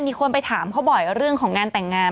มีคนไปถามเขาบ่อยเรื่องของงานแต่งงาน